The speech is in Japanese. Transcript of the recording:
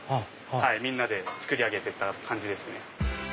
みんなで作り上げてった感じですね。